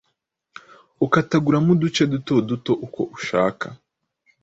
ukataguramo uduce duto duto uko ushaka.